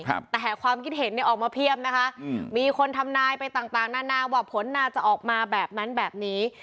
แต่แห่งความคิดเห็นออกมาเพียบนะคะมีคนทำนายไปต่างนานาว่าผลน่าจะออกมาแบบนั้นแบบนี้